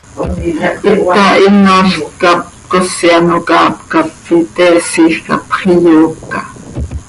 Hita hinol cap cosi ano caap cap itésijc, hapx iyooca.